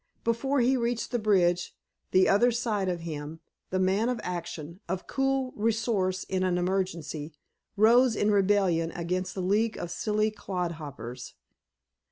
Before he reached the bridge, the other side of him, the man of action, of cool resource in an emergency, rose in rebellion against the league of silly clodhoppers.